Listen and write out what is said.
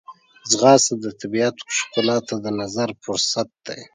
ځغاسته د طبیعت ښکلا ته د نظر فرصت دی